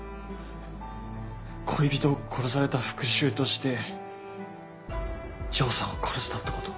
恋人を殺された復讐として丈さんを殺したってこと？